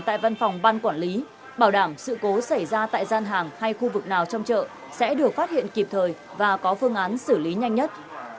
tại văn phòng ban quản lý bảo đảm sự cố xảy ra tại gian hàng hay khu vực nào trong chợ sẽ được phát hiện kịp thời và có phương án xử lý nhanh nhất